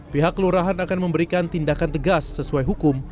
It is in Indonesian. pihak kelurahan akan memberikan tindakan tegas sesuai hukum